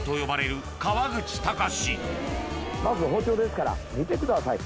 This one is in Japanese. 包丁ですから見てください。